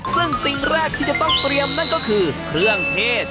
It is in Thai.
ซึ่งสิ่งแรกที่จะต้องเตรียมนั่นก็คือเครื่องเทศ